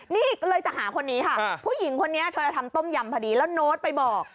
นี่ก็เลยจะหาคนนี้ค่ะผู้หญิงคนนี้เธอจะทำต้มยำพอดีแล้วโน้ตไปบอก